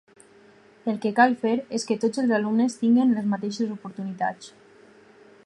El que cal fer és que tots els alumnes tinguen les mateixes oportunitats.